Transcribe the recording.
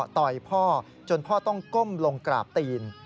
ต่อยพ่อจนพ่อต้องก้มลงกราบตีน